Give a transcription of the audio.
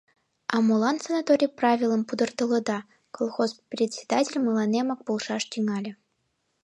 — А молан санитарный правилым пудыртылыда? — колхоз председатель мыланемак полшаш тӱҥале.